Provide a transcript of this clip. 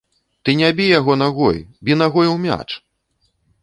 Ты не бі яго нагой, бі нагой у мяч.